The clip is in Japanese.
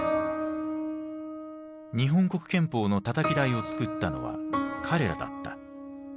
日本国憲法のたたき台をつくったのは彼らだった。